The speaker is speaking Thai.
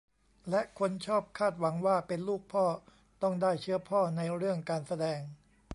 และคนชอบคาดหวังว่าเป็นลูกพ่อต้องได้เชื้อพ่อในเรื่องการแสดง